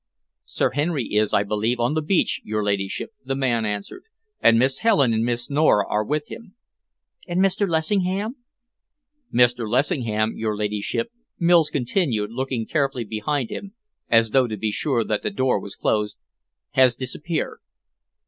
"Sir Henry is, I believe, on the beach, your ladyship," the man answered, "and Miss Helen and Miss Nora are with him." "And Mr. Lessingham?" "Mr. Lessingham, your ladyship," Mills continued, looking carefully behind him as though to be sure that the door was closed, "has disappeared."